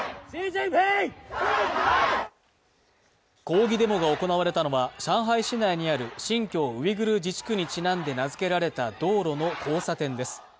抗議デモが行われたのは上海市内にある新疆ウイグル自治区にちなんで名付けられた道路の交差点です。